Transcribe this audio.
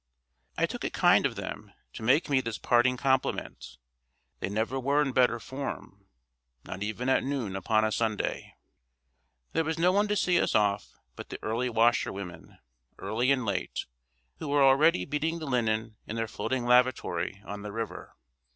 I took it kind of them to make me this parting compliment; they never were in better form, not even at noon upon a Sunday. There was no one to see us off but the early washerwomen—early and late—who were already beating the linen in their floating lavatory on the river.